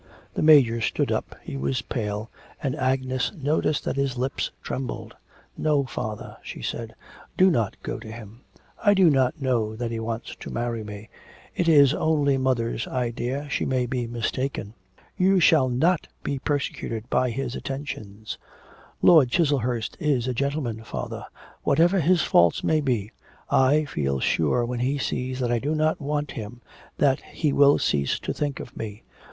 The Major stood up, he was pale, and Agnes noticed that his lips trembled. 'No, father,' she said, 'do not go to him; I do not know that he wants to marry me; it is only mother's idea, she may be mistaken.' 'You shall not be persecuted by his attentions.' 'Lord Chiselhurst is a gentleman, father. Whatever his faults may be, I feel sure when he sees that I do not want him, that he will cease to think of me...